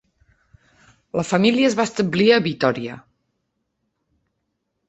La família es va establir a Vitòria.